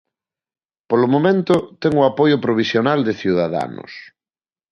Polo momento, ten o apoio provisional de Ciudadanos.